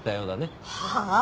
はあ！？